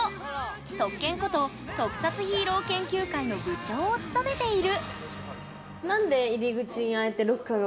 特研こと特撮ヒーロー研究会の部長を務めているロマン？